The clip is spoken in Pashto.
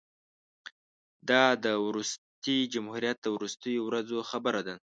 دا د وروستي جمهوریت د وروستیو ورځو خبره ده.